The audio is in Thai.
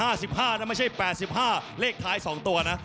๕๕นะไม่ใช่๘๕เลขท้าย๒ตัวนะ